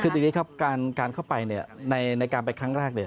คือทีนี้ครับการเข้าไปในการไปครั้งแรก